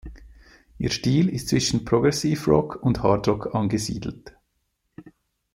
Ihr Stil ist zwischen Progressive Rock und Hard-Rock angesiedelt.